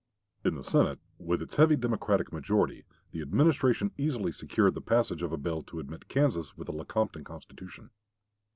In the Senate, with its heavy Democratic majority, the Administration easily secured the passage of a bill to admit Kansas with the Lecompton Constitution.